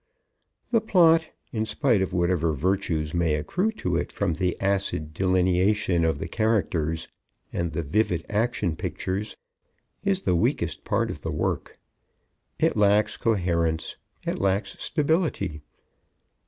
The plot, in spite of whatever virtues may accrue to it from the acid delineation of the characters and the vivid action pictures, is the weakest part of the work. It lacks coherence. It lacks stability.